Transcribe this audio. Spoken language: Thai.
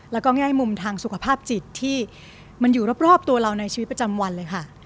แล้วก็แง่มุมทางสุขภาพจิตที่มันอยู่รอบตัวเราในชีวิตประจำวันเลยค่ะ